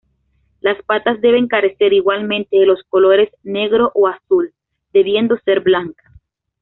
Las patas deben carecer igualmente de los colores negro o azul, debiendo ser blancas.